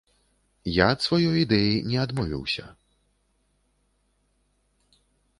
Я ад сваёй ідэі не адмовіўся.